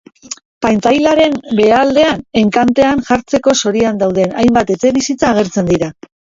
Pantailaren behealdean enkantean jartzeko zorian dauden hainbat etxebizitza agertzen dira.